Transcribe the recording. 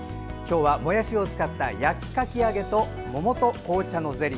もやしを使ったかき揚げと桃と紅茶のゼリー。